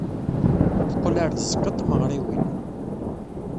Teqqel ɣer tzeɣɣa n tmeɣriwin.